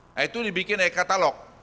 nah itu dibikin e katalog